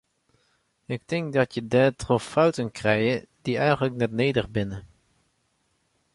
Ik tink dat je dêrtroch fouten krije dy eigenlik net nedich binne.